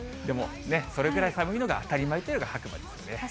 でもね、それぐらい寒いのが当たり前というのが白馬ですよね。